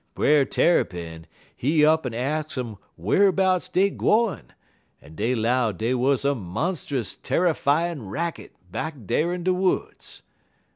Brer Tarrypin, he up'n ax um wharbouts dey gwine, en dey 'low dey wuz a monst'us tarryfyin' racket back dar in de woods.